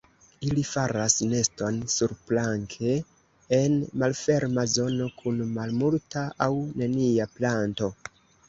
Ili faras neston surplanke en malferma zono kun malmulta aŭ nenia planto.